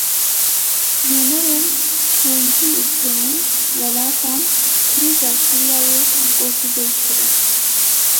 Nûnerên pêncî û pênc welatan krîza Sûriyeyê gotûbêj kirin.